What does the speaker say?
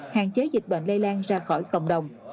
hạn chế dịch bệnh lây lan ra khỏi cộng đồng